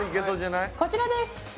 こちらです。